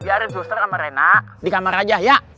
biarin suster sama rena di kamar aja ya